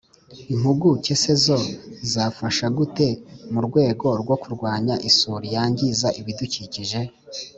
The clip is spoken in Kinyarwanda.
impuguke se zo zafasha gute mu rwego rwo kurwanya isuri yangiza ibidukikije?